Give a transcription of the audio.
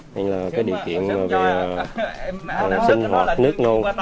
nên là cái địa kiện về sinh hoạt nước nôn